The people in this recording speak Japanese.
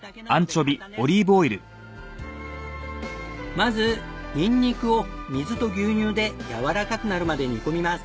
まずニンニクを水と牛乳でやわらかくなるまで煮込みます。